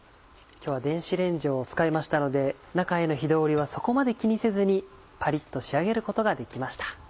今日は電子レンジを使いましたので中への火通りはそこまで気にせずにパリっと仕上げることができました。